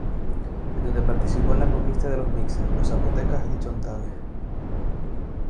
En donde participó en la conquista de los mixes, los zapotecas y chontales.